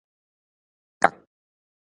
角